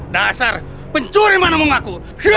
dasar pencuri mana mau ngaku